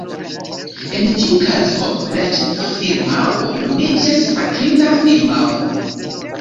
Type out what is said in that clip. En tiu kazo la ĉefa firmao nomiĝas "patrina firmao".